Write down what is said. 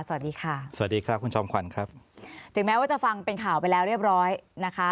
สวัสดีค่ะสวัสดีครับคุณจอมขวัญครับถึงแม้ว่าจะฟังเป็นข่าวไปแล้วเรียบร้อยนะคะ